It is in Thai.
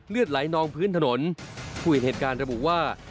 เลือดไหลนองพื้นถนนผู้เห็นเหตุการณ์ระบุว่า